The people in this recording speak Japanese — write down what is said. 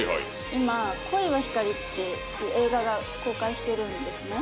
今『恋は光』っていう映画が公開してるんですね。